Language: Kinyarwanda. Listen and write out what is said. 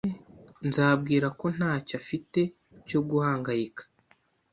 Nzabwira ko ntacyo afite cyo guhangayika.